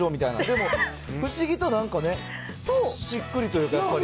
でも、不思議となんかね、しっくりというか、なんかやっぱり。